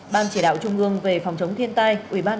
ban chỉ đạo trung ương về phòng chống thiên tai ubnd